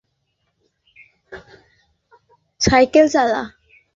একই সময়ে একটি অপহরণ এবং একটি জন্মদিন করতে পারে!